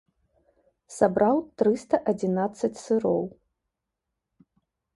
Сабраў трыста адзінаццаць сыроў.